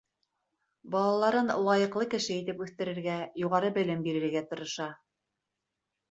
Балаларын лайыҡлы кеше итеп үҫтерергә, юғары белем бирергә тырыша.